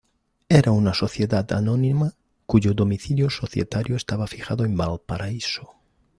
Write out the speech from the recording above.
Era una sociedad anónima cuyo domicilio societario estaba fijado en Valparaíso.